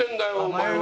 お前は。